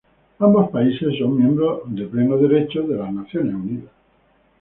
Ambos países son miembros de pleno derecho de las Naciones Unidas.